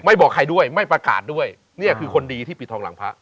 บอกใครด้วยไม่ประกาศด้วยเนี่ยคือคนดีที่ปิดทองหลังพระ